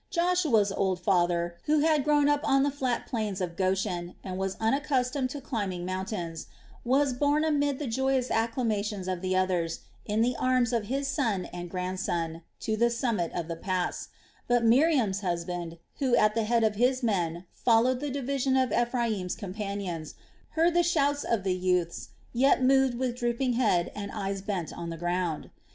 Joshua's old father, who had grown up on the flat plains of Goshen and was unaccustomed to climbing mountains, was borne amid the joyous acclamations of the others, in the arms of his son and grandson, to the summit of the pass; but Miriam's husband who, at the head of his men, followed the division of Ephraim's companions, heard the shouts of the youths yet moved with drooping head and eyes bent on the ground.